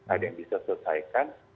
ada yang bisa selesaikan